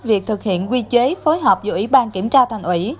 việc thực hiện quy chế phối hợp giữa ủy ban kiểm tra thành ủy